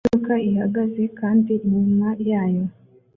Imodoka ihagaze kandi inyuma yayo